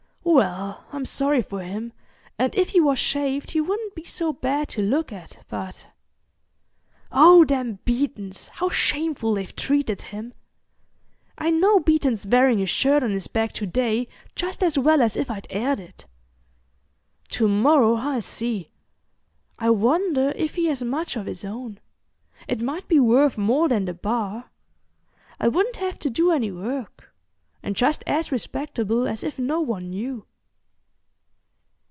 Well, I'm sorry for him, and if he was shaved he wouldn't be so bad to look at, but... Oh them Beetons, how shameful they've treated him! I know Beeton's wearing his shirt on his back to day just as well as if I'd aired it. To morrow, I'll see... I wonder if he has much of his own. It might be worth more than the bar—I wouldn't have to do any work—and just as respectable as if no one knew."